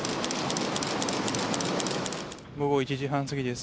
午後１時半過ぎです。